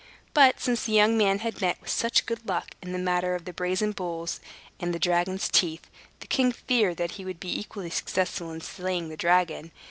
But, since the young man had met with such good luck in the matter of the brazen bulls and the dragon's teeth, the king feared that he would be equally successful in slaying the dragon.